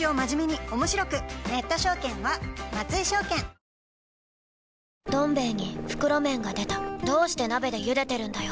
最後は「どん兵衛」に袋麺が出たどうして鍋で茹でてるんだよ！